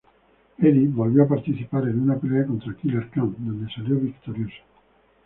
Eddie volvió a participar en una pelea contra Killer Khan donde salió victorioso.